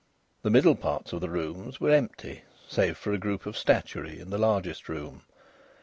The middle parts of the rooms were empty, save for a group of statuary in the largest room.